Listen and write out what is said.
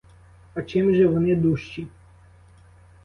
А чим же вони дужчі?